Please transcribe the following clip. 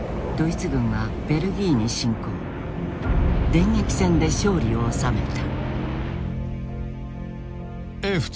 電撃戦で勝利を収めた。